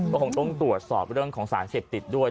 ก็คงต้องตรวจสอบเรื่องของสารเสพติดด้วย